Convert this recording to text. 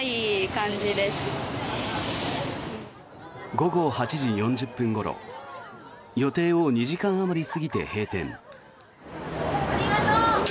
午後８時４０分ごろ予定を２時間あまり過ぎて閉店。